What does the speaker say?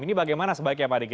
ini bagaimana sebaiknya pak diki